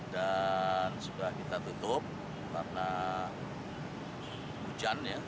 dan sudah kita tutup karena hujan ya